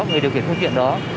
người điều kiểm không tiện đó